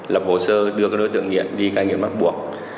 lập hồ sơ đưa các đối tượng nghiện đi cai nghiện bắt buộc